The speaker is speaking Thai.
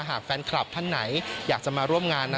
หากแฟนคลับท่านไหนอยากจะมาร่วมงาน